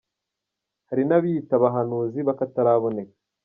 Hari nabiyita abahanuzi bakataraboneka